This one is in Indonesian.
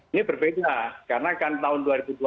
ini berbeda karena kan tahun dua ribu dua puluh